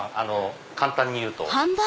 簡単に言うと。